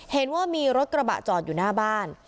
เห็นว่ามีรถกระบะจอดอยู่หน้าบ้าน